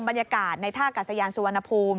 บรรยากาศในท่ากาศยานสุวรรณภูมิ